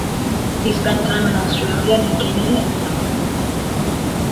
He spent time in Australia, New Guinea, and the Philippines.